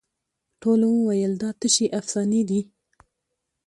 ټولو وویل دا تشي افسانې دي